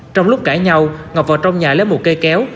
trong lúc cãi nhau ngọc vào trong nhà lấy một cây kéo